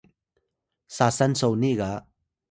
sasan soni ga